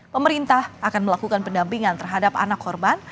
pemerintah akan melakukan pendampingan terhadap anak korban